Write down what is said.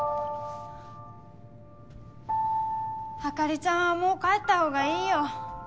朱梨ちゃんはもう帰った方がいいよ。